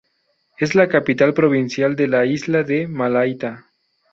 Es la capital provincial de la isla de Malaita.